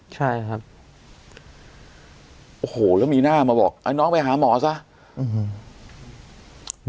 ใช่ครับโอ้โหแล้วมีหน้ามาบอกไอ้น้องไปหาหมอซะอืม